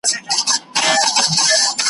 نه منګي ځي تر ګودره نه د پېغلو کتارونه `